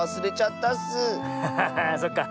ハハハハーそっか。